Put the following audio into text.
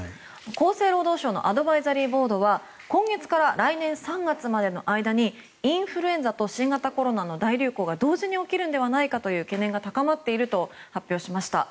厚生労働省のアドバイザリーボードは今月から来年３月までの間にインフルエンザと新型コロナの大流行が同時に起きるのではないかという懸念が高まっていると発表しました。